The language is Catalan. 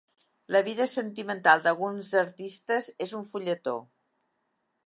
La vida sentimental d'alguns artistes és un fulletó.